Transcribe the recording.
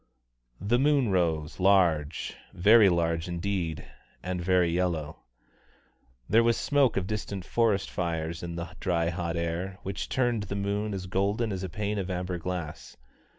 The moon rose large, very large indeed, and very yellow. There was smoke of distant forest fires in the dry hot air, which turned the moon as golden as a pane of amber glass.